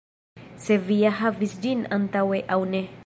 Se vi ja havis ĝin antaŭe aŭ ne.